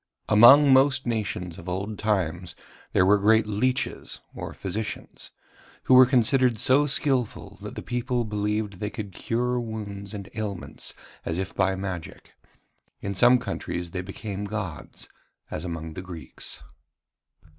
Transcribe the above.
Among most nations of old times there were great leeches or physicians, who were considered so skilful that the people believed they could cure wounds and ailments as if by magic. In some countries they became gods, as among the Greeks.